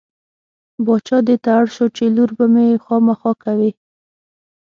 باچا دې ته اړ شو چې لور به مې خامخا کوې.